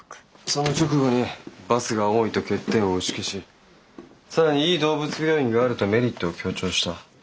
その直後にバスが多いと欠点を打ち消し更にいい動物病院があるとメリットを強調した。